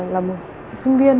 là một sinh viên